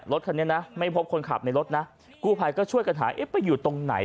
รถคันนี้นะไม่พบคนขับในรถนะกู้ภัยก็ช่วยกันหาเอ๊ะไปอยู่ตรงไหน